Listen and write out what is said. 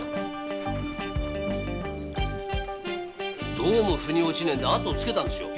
どうもフに落ちねえんで後をつけたんですよ。